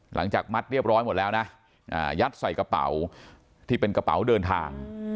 หลังจากมัดเรียบร้อยหมดแล้วนะยัดใส่กระเป๋าที่เป็นกระเป๋าเดินทาง